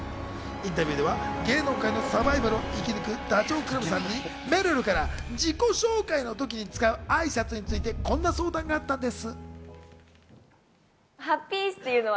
インタビューでは芸能界のサバイバルを生きぬくダチョウ倶楽部さんにめるるから自己紹介の時に使うあいさつについて、こんな相談があったんです。